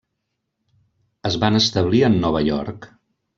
Es van establir en Nova York.